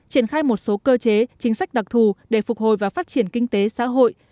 triển khai một số cơ chế chính sách đặc thù để phục hồi và phát triển kinh tế xã hội